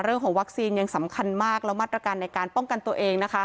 เรื่องของวัคซีนยังสำคัญมากแล้วมาตรการในการป้องกันตัวเองนะคะ